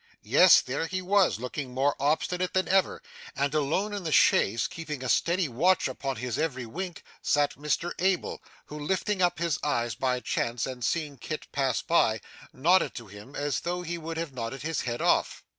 Yes, there he was, looking more obstinate than ever; and alone in the chaise, keeping a steady watch upon his every wink, sat Mr Abel, who, lifting up his eyes by chance and seeing Kit pass by, nodded to him as though he would have nodded his head off.